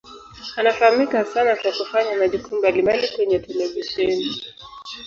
Anafahamika sana kwa kufanya majukumu mbalimbali kwenye televisheni.